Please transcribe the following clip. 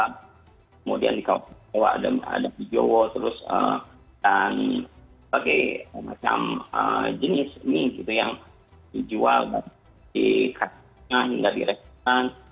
kemudian di jawa dan berbagai macam jenis mie yang dijual di kacang hingga di rekitan